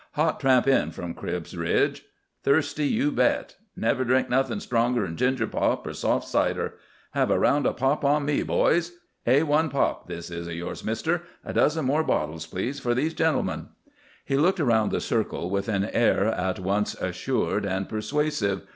"Hot tramp in from Cribb's Ridge. Thirsty, you bet. Never drink nothing stronger'n ginger pop or soft cider. Have a round o' pop on me, boys. A1 pop this o' yours, mister. A dozen more bottles, please, for these gentlemen." He looked around the circle with an air at once assured and persuasive.